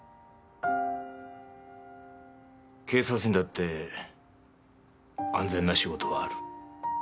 警察にだって安全な仕事はある。